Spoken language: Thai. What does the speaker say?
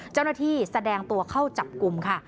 เจ้าหน้าที่แสดงตัวเข้าจับกลุ่มค่ะ